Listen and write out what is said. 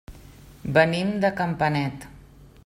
Venim de Campanet.